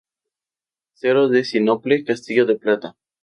Tercero de sínople, castillo de plata.